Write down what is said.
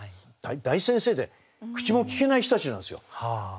大先生で口もきけない人たちなんですよ。